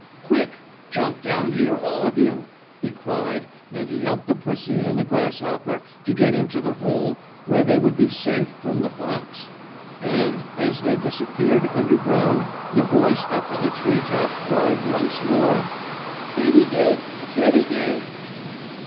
"Quick! Jump down here all of you!" he cried and he helped the pussy and the grasshopper to get into the hole where they would be safe from the fox. And, as they disappeared under ground the voice up in the tree top cried once more: "Katy did! Katy did!"